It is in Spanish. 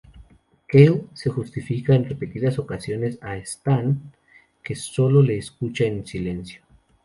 Kyle se justifica en repetidas ocasiones a Stan que sólo le escucha en silencio.